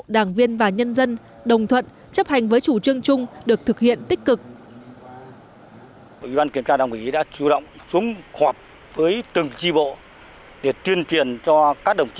đảng viên và nhân dân đồng thuận chấp hành với chủ trương chung được thực hiện tích cực